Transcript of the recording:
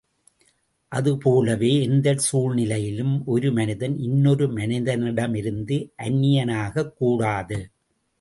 அதுபோலவே எந்தச் சூழ்நிலையிலும் ஒரு மனிதன் இன்னொரு மனிதனிடமிருந்து அந்நியனாகக் கூடாது.